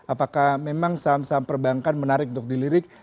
apakah memang saham saham perbankan menarik untuk dilirik